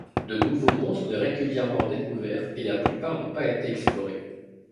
De nouveaux monts sont régulièrement découverts, et la plupart n'ont pas été explorés.